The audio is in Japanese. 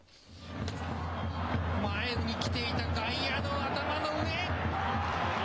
前に来ていた外野の頭の上。